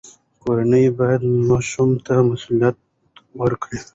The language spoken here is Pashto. کورنۍ باید ماشوم ته مسوولیت ورکړي.